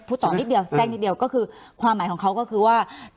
ต่อนิดเดียวแทรกนิดเดียวก็คือความหมายของเขาก็คือว่า